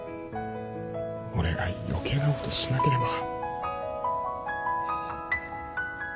俺が余計なことをしなければ。